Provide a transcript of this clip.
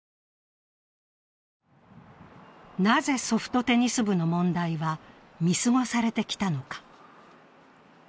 なぜソフトテニス部の問題は見過ごされてきたのか。